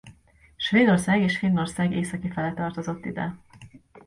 Svédország és Finnország északi fele tartozott ide.